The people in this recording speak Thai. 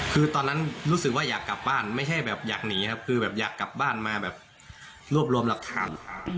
คือตอนนั้นรู้สึกว่าอยากกลับบ้านไม่ใช่แบบอยากหนีครับคือแบบอยากกลับบ้านมาแบบรวบรวมหลักฐาน